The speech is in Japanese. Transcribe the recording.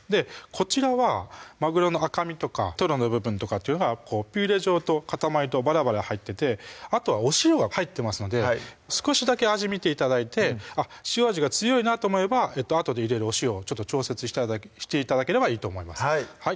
こちらはまぐろの赤身とかとろの部分とかっていうのがピューレ状と塊とバラバラ入っててあとはお塩が入ってますので少しだけ味見て頂いてあっ塩味が強いなと思えばあとで入れるお塩をちょっと調節して頂ければいいと思います